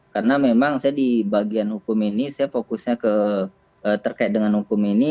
karena memang saya di bagian hukum ini saya fokusnya terkait dengan hukum ini